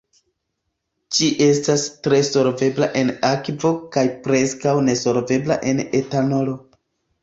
Ĝi estas tre solvebla en akvo kaj preskaŭ nesolvebla en etanolo.